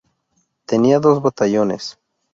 Tenía dos batallones.